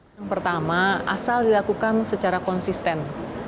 yang pertama asal dilakukan secara konsisten